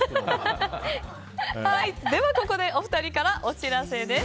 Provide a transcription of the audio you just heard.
ここでお二人からお知らせです。